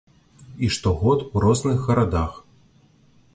І штогод у розных гарадах.